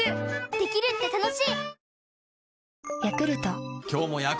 できるって楽しい！